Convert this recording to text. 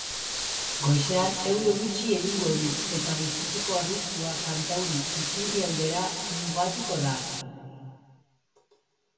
Goizean euri gutxi egingo du eta bustitzeko arriskua kantauri isurialdera mugatuko da.